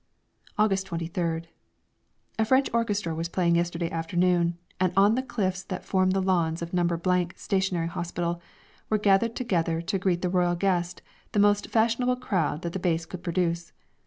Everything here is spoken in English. August 23rd. A French orchestra was playing yesterday afternoon, and on the cliffs that form the lawns of No. Stationary Hospital were gathered together to greet the Royal guest the most fashionable crowd that the Base could produce.